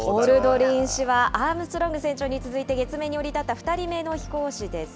オルドリン氏はアームストロング船長に月面に降り立った２人目の飛行士です。